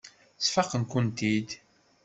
Sfaqen-kent-id.